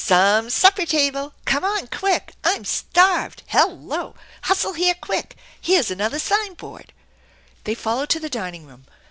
" Some supper tahle! Come on quick; I'm starved. Hello! Hustle here quick. Here's another sign board !" They followed to the dining room.